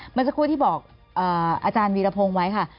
เมื่อสักครู่ที่บอกอาจารย์วีรพงศ์ไว้ค่ะ